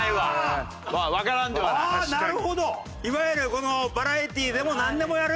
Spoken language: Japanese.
いわゆるこのバラエティーでもなんでもやる。